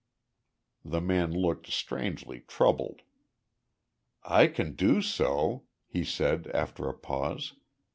The man looked strangely troubled. "I can do so," he said, after a pause.